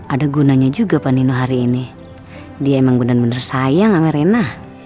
ada gunanya juga pak nino hari ini dia emang bener bener sayang sama rena